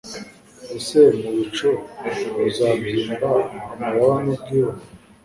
ese mu bicu azabyimba amababa n'ubwibone